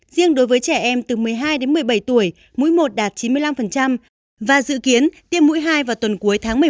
riêng đối với trẻ em từ một mươi hai một mươi bảy tuổi mũi một đạt chín mươi năm và dự kiến tiêm mũi hai vào tuần cuối tháng một mươi một hai nghìn hai mươi